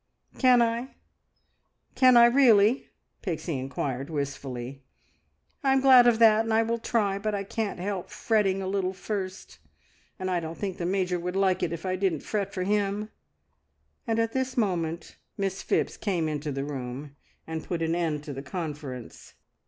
"Can I can I really?" Pixie inquired wistfully. "I'm glad of that, and I will try, but I can't help fretting a little first! I don't think the Major would like it if I didn't fret for him." And at this moment Miss Phipps came into the room and put an end to the conference.